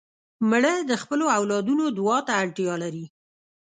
مړه د خپلو اولادونو دعا ته اړتیا لري